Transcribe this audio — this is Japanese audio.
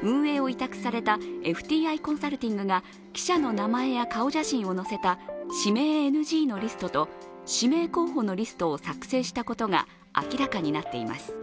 運営を委託されたＦＴＩコンサルティングが記者の名前や顔写真を載せた指名ＮＧのリストと指名候補のリストを作成したことが明らかになっています。